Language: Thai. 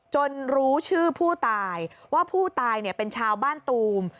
รู้ชื่อผู้ตายว่าผู้ตายเป็นชาวบ้านตูม